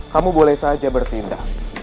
kamu boleh saja bertindak